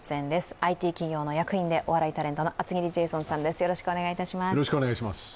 ＩＴ企業の役員でお笑いタレントの厚切りジェイソンさんです。